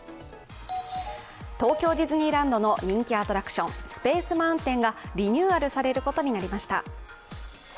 東京ディズニーランドの人気アトラクション、スペースマウンテンがリニューアルされることになりました。